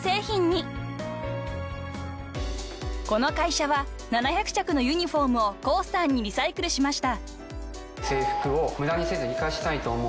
［この会社は７００着のユニホームをコースターにリサイクルしました］